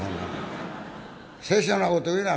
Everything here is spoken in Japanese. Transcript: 「殺生なこと言うな」。